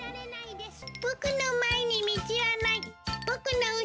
僕の前に道はない。